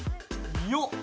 よっ。